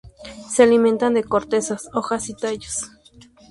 Se alimentan de corteza, hojas y tallos.